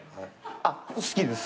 あっ「好きです」？